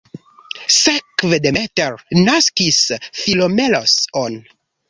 Sekve Demeter naskis Philomelos-on.